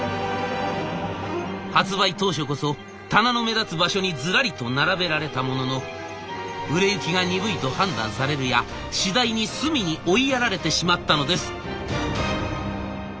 発売当初こそ棚の目立つ場所にズラリと並べられたものの売れ行きが鈍いと判断されるや次第に隅に追いやられてしまったのです。